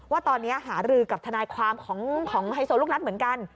ว่าตอนนี้หารือกับทนายความของไฮโซลูกนัดเหมือนกัน